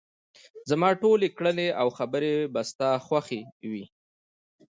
زما ټولې کړنې او خبرې به ستا خوښې وي.